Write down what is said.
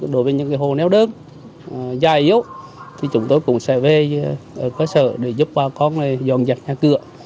đối với những hồ neo đơn dài yếu thì chúng tôi cũng sẽ về cơ sở để giúp bà con dọn dẹp nhà cửa